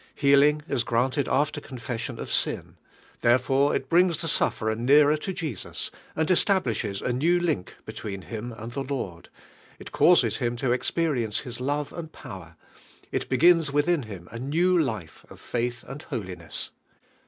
Healing is granted af ter confession of sin; therefore it brings the sufferer nearer to Jesus, and estab lishes a new link between him and the Lord, it causes him to experience His love and power, it begins within him a new life of faith and holiness.